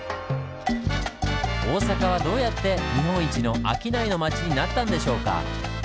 大阪はどうやって日本一の商いの町になったんでしょうか。